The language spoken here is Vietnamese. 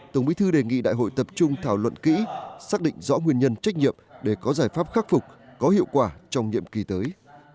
tổng bí thư đề nghị đại hội tập trung thảo luận kỹ xác định rõ nguyên nhân trách nhiệm để có giải pháp khắc phục có hiệu quả trong nhiệm kỳ tới